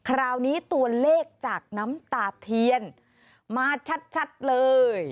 คราวนี้ตัวเลขจากน้ำตาเทียนมาชัดเลย